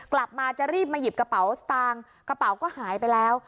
กลับมาจะรีบมาหยิบกระเป๋าสตางค์กระเป๋าก็หายไปแล้ว